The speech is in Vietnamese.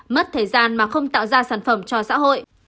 mất thời gian mà không tạo ra sản phẩm cho xã hội